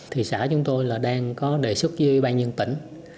thì xã chúng tôi là đang có đề xuất với ban nhân tỉnh